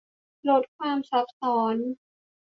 ลดความซ้ำซ้อน